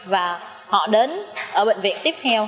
và họ đến ở bệnh viện tiếp theo